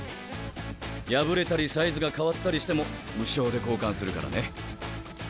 破れたりサイズが変わったりしても無償で交換するからね。